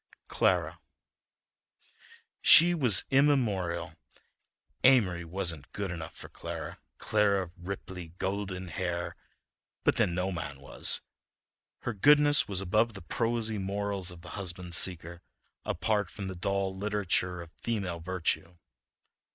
CLARA She was immemorial.... Amory wasn't good enough for Clara, Clara of ripply golden hair, but then no man was. Her goodness was above the prosy morals of the husband seeker, apart from the dull literature of female virtue.